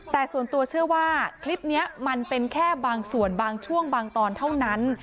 แต่ส่วนตัวเชื่อว่าคลิปนี้มันเป็นแค่บางส่วนบางช่วงบางตอนเท่านั้น